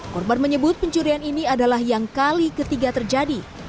korban menyebut pencurian ini adalah yang kali ketiga terjadi